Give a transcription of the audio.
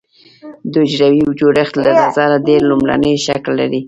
د حجروي جوړښت له نظره ډېر لومړنی شکل لري.